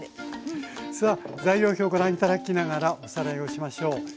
さあ材料表ご覧頂きながらおさらいをしましょう。